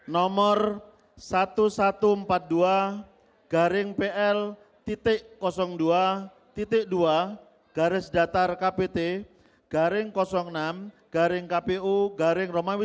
nomor seribu satu ratus empat puluh dua pl dua dua garis datar kpt enam kpu r sembilan dua ribu delapan belas